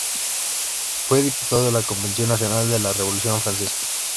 Fue diputado a la Convención Nacional de la Revolución francesa.